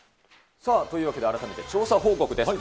さあ、というわけで改めて調査報告です。